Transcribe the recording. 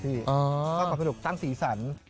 ท่านความสนุกตั้งฐีสรร